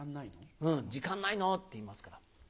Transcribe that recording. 「時間ないの？」って言いますから。